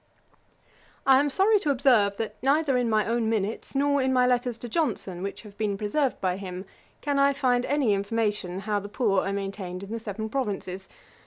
I am sorry to observe, that neither in my own minutes, nor in my letters to Johnson, which have been preserved by him, can I find any information how the poor are maintained in the Seven Provinces.